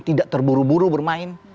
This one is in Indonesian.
tidak terburu buru bermain